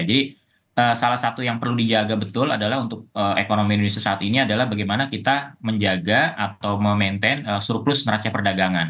jadi salah satu yang perlu dijaga betul adalah untuk ekonomi indonesia saat ini adalah bagaimana kita menjaga atau memaintain surplus neraca perdagangan